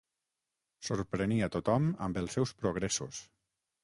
Sorprenia tothom amb els seus progressos.